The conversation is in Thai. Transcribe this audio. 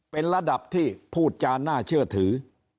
เป็นระดับที่พูดจาน่าเชื่อถือ